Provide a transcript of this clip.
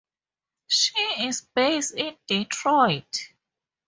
She is based in Detroit.